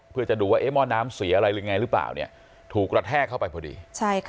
เพื่อจะดูว่าหม้อน้ำเสียอะไรหรือไงหรือเปล่าถูกกระแทกเข้าไปพอดี